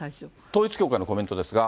統一教会のコメントですが。